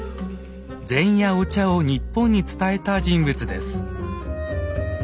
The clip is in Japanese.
禅やお茶を日本に伝えた人物です。